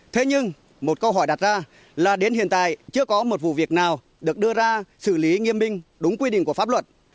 thế nhưng một câu hỏi đặt ra là đến hiện tại chưa có một vụ việc nào được đưa ra xử lý nghiêm minh đúng quy định của pháp luật